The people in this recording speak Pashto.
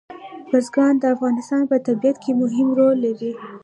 بزګان د افغانستان په طبیعت کې مهم رول لري.